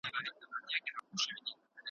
پلور زیات شوی دی.